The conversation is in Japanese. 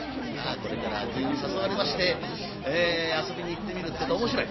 これから悪友に誘われまして遊びに行ってみるってえと面白い。